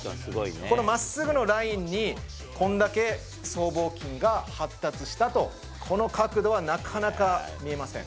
このまっすぐのラインにこんだけ僧帽筋が発達したと、この角度はなかなか見えません。